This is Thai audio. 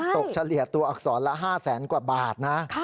เฉลี่ยตัวอักษรละ๕แสนกว่าบาทนะ